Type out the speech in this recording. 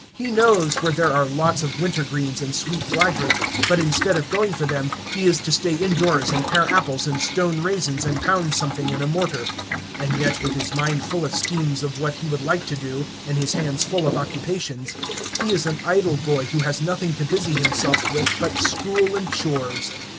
He knows where there are lots of winter greens and sweet flag root, but instead of going for them, he is to stay in doors and pare apples and stone raisins and pound something in a mortar. And yet, with his mind full of schemes of what he would like to do, and his hands full of occupations, he is an idle boy who has nothing to busy himself with but school and chores!